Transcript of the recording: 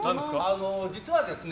実はですね